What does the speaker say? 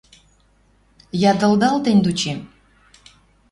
Ядылдал тӹнь дучем.